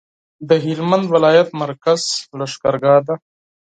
د هلمند ولایت مرکز لښکرګاه ده